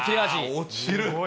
落ちる。